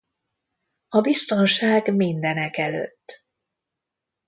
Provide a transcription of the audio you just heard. A biztonság mindenekelőtt!